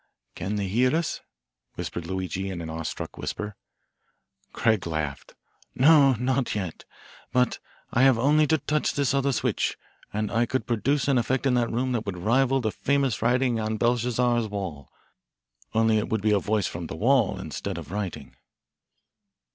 "Can they hear us?" whispered Luigi in an awe struck whisper. Craig laughed. "No, not yet. But I have only to touch this other switch, and I could produce an effect in that room that would rival the famous writing on Belshazzar's wall only it would be a voice from the wall instead of writing."